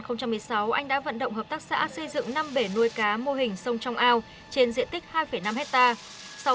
năm hai nghìn một mươi sáu anh đã vận động hợp tác xã xây dựng năm bể nuôi cá mô hình sông trong ao trên diện tích hai năm hectare